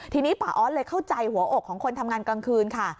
ทีนี้ป่าออสเลยเข้าใจหัวอกของคนทำงานกลางคืนค่ะ